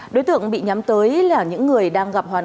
đối tượng bị nhắm tới là những người đang gặp hoàn cảnh